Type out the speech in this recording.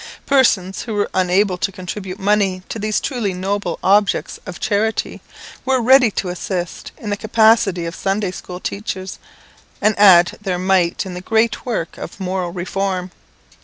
Persons who were unable to contribute money to these truly noble objects of charity, were ready to assist in the capacity of Sunday school teachers, and add their mite in the great work of moral reform.